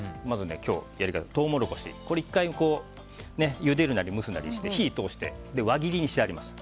今日のやり方はまずトウモロコシ１回ゆでるなり蒸すなりして火を通して輪切りにしてあります。